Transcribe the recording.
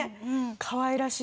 かわいらしい。